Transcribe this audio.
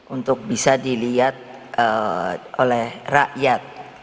untuk bisa dilihat oleh rakyat